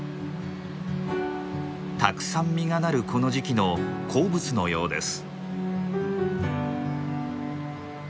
たくさん実がなるこの時期の好物のようです。